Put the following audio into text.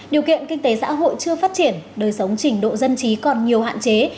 điều kiện kinh tế xã hội chưa phát triển đời sống trình độ dân trí còn nhiều hạn chế